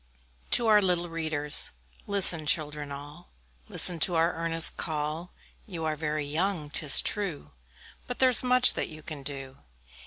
TO OUR LITTLE READERS. Listen, little children, all, Listen to our earnest call: You are very young, 'tis true, But there's much that you can do.